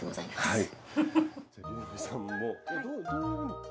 はい。